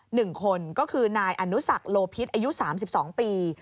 หนึ่งคนก็คือนายอนุสักโลพิษอายุ๓๒ปี